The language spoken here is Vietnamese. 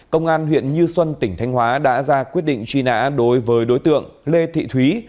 công an huyện như xuân tỉnh thanh hóa đã ra quyết định truy nã đối với đối tượng lê thị thúy